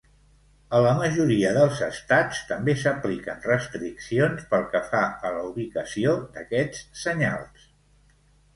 A la majoria dels estats també s'apliquen restriccions pel que fa a la ubicació d'aquests senyals.